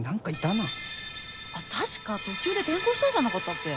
確か途中で転校したんじゃなかったっけ？